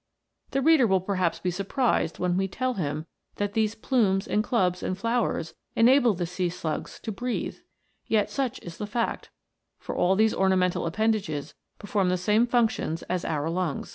The reader will perhaps be surprised when we tell him that these plumes, and clubs, and flowers enable the sea slugs to breathe ; yet such is the fact, for all these ornamental appendages perform the same functions as our lungs.